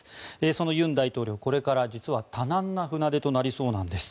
その尹大統領、これから実は多難な船出となりそうなんです。